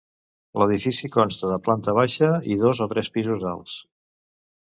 L'edifici consta de planta baixa i dos o tres pisos alts.